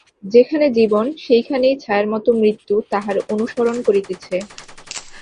যেখানে জীবন, সেইখানেই ছায়ার মত মৃত্যু তাহার অনুসরণ করিতেছে।